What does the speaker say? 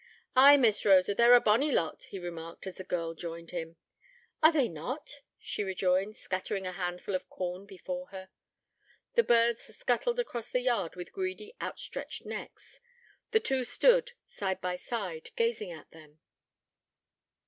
'Ay, Miss Rosa, they're a bonny lot,' he remarked, as the girl joined him. 'Are they not?' she rejoined, scattering a handful of corn before her. The birds scuttled across the yard with greedy, outstretched necks. The two stood, side by side, gazing at them.